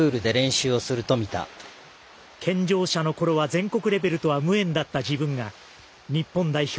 健常者のころは全国レベルとは無縁だった自分が日本代表。